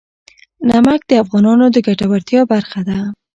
نمک د افغانانو د ګټورتیا برخه ده.